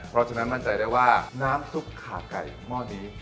เพราะฉะนั้นมั่นใจได้ว่าน้ำซุปขาไก่หม้อนี้